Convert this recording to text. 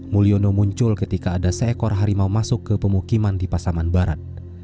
mulyono muncul ketika ada seekor harimau masuk ke pemukiman di pasaman barat